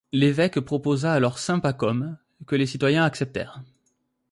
L'évêque proposa alors Saint-Pacôme que les citoyens acceptèrent.